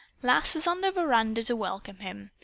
Lass was on the veranda to welcome him.